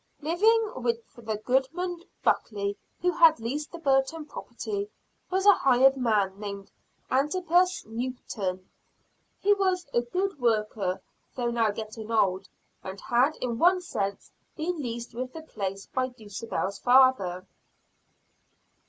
Living with the Goodman Buckley who had leased the Burton property, was a hired man named Antipas Newton. He was a good worker though now getting old, and had in one sense been leased with the place by Dulcibel's father.